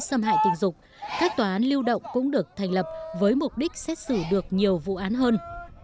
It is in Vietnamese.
xâm hại tình dục các tòa án lưu động cũng được thành lập với mục đích xét xử được nhiều vụ án hơn